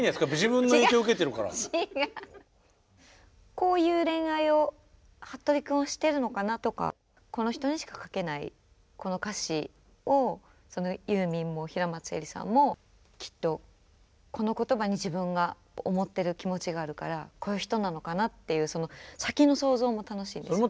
こういう恋愛をはっとり君はしてるのかなとかこの人にしか書けないこの歌詞をユーミンも平松愛理さんもきっとこの言葉に自分が思ってる気持ちがあるからこういう人なのかなっていうその先の想像も楽しいですよね。